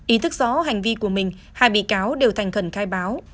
ý thức rõ hành vi của mình hai bị cáo đều thành khẩn khai báo